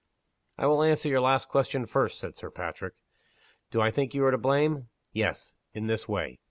"I will answer your last question first," said Sir Patrick. "Do I think you are to blame? Yes in this way.